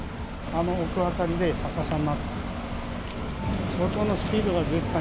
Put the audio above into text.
あの奥辺りで逆さになってた。